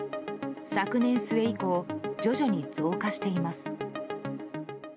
昨年末以降徐々に増加しています。